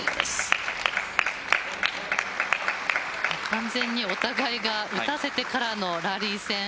完全にお互いが打たせてからのラリー戦。